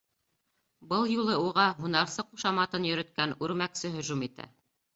Был юлы уға һунарсы ҡушаматын йөрөткән үрмәксе һөжүм итә.